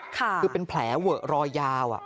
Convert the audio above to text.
คือเป็นแผลเวอะรอยยาว